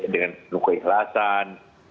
dengan penuh keikhlasan